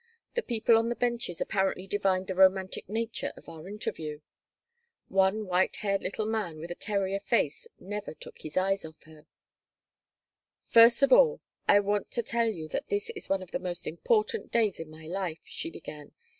The people on the benches apparently divined the romantic nature of our interview. One white haired little man with a terrier face never took his eyes off her "First of all I want to tell you that this is one of the most important days in my life," she began.